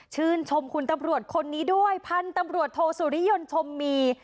ชื่นชมคุณตำรวจคนนี้ด้วยพันธุ์ตำรวจโทสุริยนต์ชมมี